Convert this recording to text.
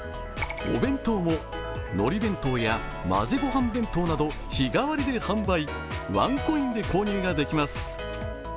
お弁当も、のり弁当や混ぜご飯弁当など日替わりで販売ワンコインで購入ができます。